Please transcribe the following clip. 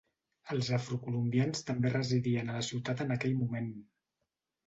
Els afro-colombians també residien a la ciutat en aquell moment.